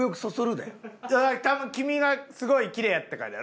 多分黄身がすごいきれいやったからやろ？